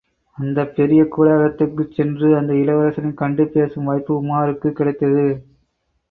அந்தப் பெரிய கூடாரத்திற்குள் சென்று அந்த இளவரசனைக் கண்டு பேசும் வாய்ப்பு உமாருக்குக் கிடைத்தது.